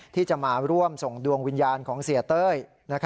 ที่จะมาร่วมส่งดวงวิญญาณของเสียเต้ย